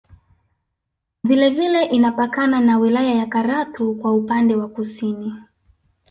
Vile vile inapakana na wilaya ya Karatu kwa upande wa Kusini